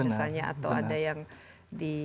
misalnya atau ada yang di